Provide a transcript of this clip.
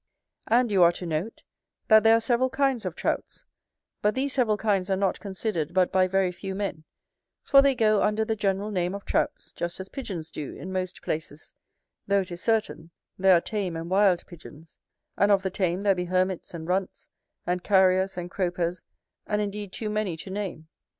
And you are to note, that there are several kinds of Trouts: but these several kinds are not considered but by very few men; for they go under the general name of Trouts; just as pigeons do, in most places; though it is certain, there are tame and wild pigeons; and of the tame, there be hermits and runts, and carriers and cropers, and indeed too many to name.